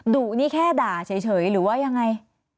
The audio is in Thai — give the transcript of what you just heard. ดุนี่แค่ด่าเฉยหรือว่ายังไง